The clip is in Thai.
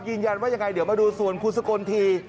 ยินยันว่ายังไงเดี๋ยวมาดูส่วนครูสกลที